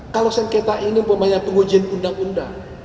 kalau sengketa ini umpamanya pengujian undang undang